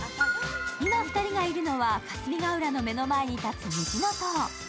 今２人がいるのは霞ヶ浦の目の前に立つ虹の塔。